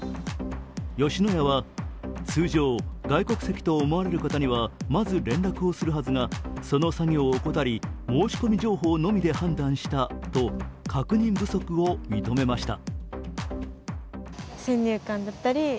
吉野家は、通常外国籍と思われる方にはまず連絡をするはずがその作業を怠り申し込み情報のみで判断したと確認不足を認めました。